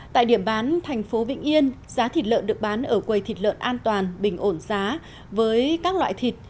tại điểm bán thành phố vĩnh yên giá thịt lợn được bán ở quầy thịt lợn an toàn bình ổn giá với các loại thịt